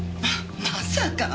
まさか！